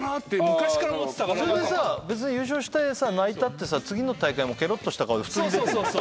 それでさ優勝して泣いたって次の大会もけろっとした顔で出てる。